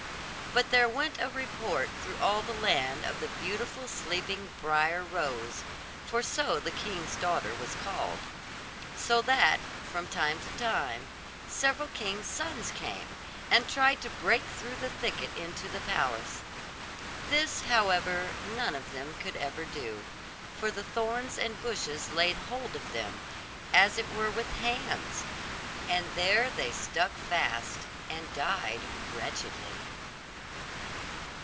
But there went a report through all the land of the beautiful sleeping Briar Rose (for so the king's daughter was called): so that, from time to time, several kings' sons came, and tried to break through the thicket into the palace. This, however, none of them could ever do; for the thorns and bushes laid hold of them, as it were with hands; and there they stuck fast, and died wretchedly.